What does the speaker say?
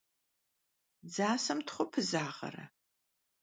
Dzasem txhu pızağere?